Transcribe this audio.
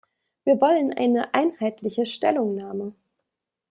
Wir wollen eine einheitliche Stellungnahme.